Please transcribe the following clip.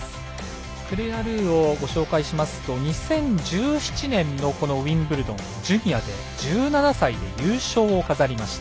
クレア・ルーをご紹介しますと２０１７年のこのウィンブルドンジュニアで１７歳で優勝を飾りました。